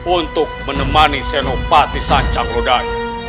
untuk menemani senopati sanjang lodaya